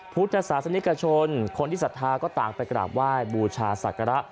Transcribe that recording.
พุทธศาสนิกชนคนที่ศรัทธาก็ต่างไปกราบไหว้บูชาศักระ